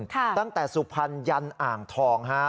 ตั้งแต่สุพรรณยันอ่างทองฮะ